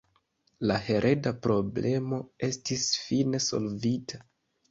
La hereda problemo estis fine solvita.